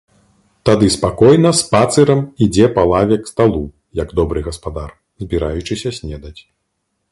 Тады спакойна спацырам ідзе па лаве к сталу, як добры гаспадар, збіраючыся снедаць.